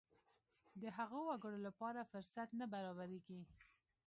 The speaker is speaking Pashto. د هغو وګړو لپاره فرصت نه برابرېږي.